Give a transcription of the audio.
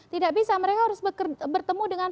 tidak bisa mereka harus bertemu dengan